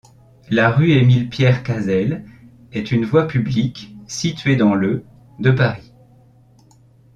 La rue Émile-Pierre-Casel est une voie publique située dans le de Paris.